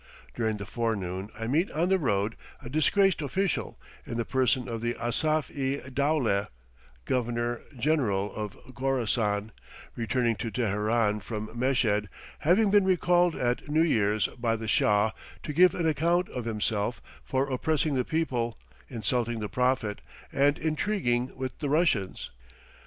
During the forenoon I meet on the road a disgraced official, in the person of the Asaf i dowleh, Governor General of Khorassan, returning to Teheran from Meshed, having been recalled at New Year's by the Shah to give an account of himself for "oppressing the people, insulting the Prophet, and intriguing with the Russians."